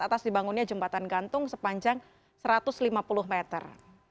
atas dibangunnya jembatan gantung sepanjang satu ratus lima puluh meter